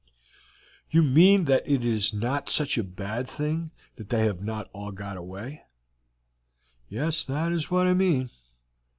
"You mean that it is not such a bad thing that they have not all got away?" "Yes, that is what I mean.